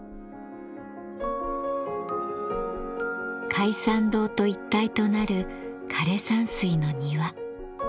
開山堂と一体となる枯山水の庭。